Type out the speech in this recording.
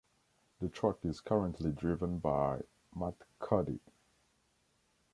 The truck is currently driven by Matt Cody.